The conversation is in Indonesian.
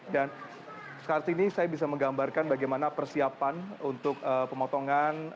dan saat ini saya bisa menggambarkan bagaimana persiapan untuk pemotongan